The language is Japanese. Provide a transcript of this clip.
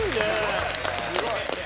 すごい。